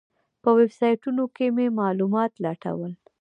په ویبسایټونو کې مې معلومات لټول.